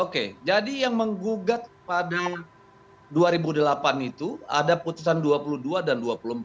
oke jadi yang menggugat pada dua ribu delapan itu ada putusan dua puluh dua dan dua puluh empat